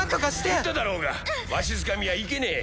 言っただろうがわしづかみはいけねえ